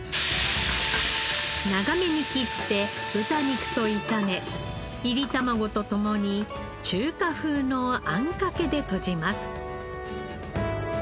長めに切って豚肉と炒め炒り卵と共に中華風のあんかけでとじます。